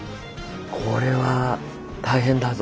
これは大変だぞ。